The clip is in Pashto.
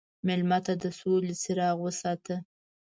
مېلمه ته د سولې څراغ وساته.